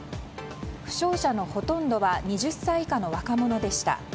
負傷者のほとんどは２０歳以下の若者でした。